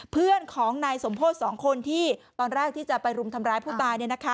เพื่อนของนายสมโพธิ๒คนที่ตอนแรกที่จะไปรุมทำร้ายผู้ตาย